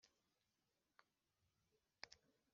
utarinze gutsinda